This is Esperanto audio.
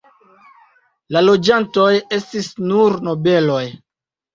La loĝantoj estis nur nobeloj.